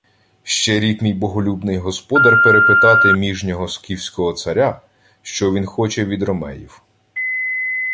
— Ще рік мій боголюбний господар перепитати міжнього скіфського царя, що він хоче від ромеїв.